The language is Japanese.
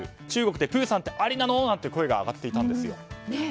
中国でプーさんってありなの？なんていう声が上がっていたんです。